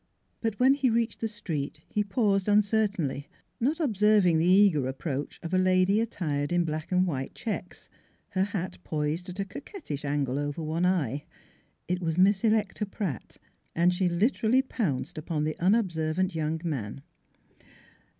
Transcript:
But when he reached the street he paused un certainly, not observing the eager approach of a lady attired in black and white checks, her hat poised at a coquettish angle over one eye. It was Miss Electa Pratt, and she literally pounced upon the unobservant young man.